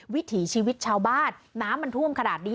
วิถีชีวิตชาวบ้านน้ำมันท่วมขนาดนี้